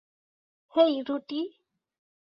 হেই, রুটি।